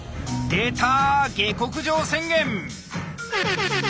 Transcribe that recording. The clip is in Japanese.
出た下克上宣言！